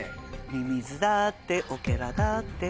ミミズだってオケラだって